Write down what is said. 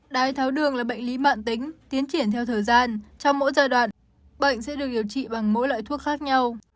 đái tháo đường là bệnh lý mạng tính tiến triển theo thời gian trong mỗi giai đoạn bệnh sẽ được điều trị bằng mỗi loại thuốc khác nhau